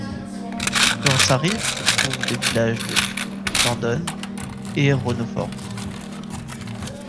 Sur sa rive se trouvent les villages de Landön et Rönnöfors.